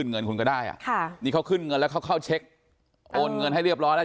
มีเงยนคุณก็ได้อ่ะนี่เขาขึ้นเงินแล้วเข้าเช็คโอ้นเงินให้เรียบร้อย